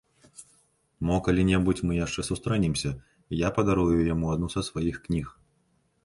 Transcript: Мо калі-небудзь мы яшчэ сустрэнемся, і я падарую яму адну са сваіх кніг.